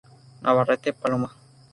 Navarrete, Paloma.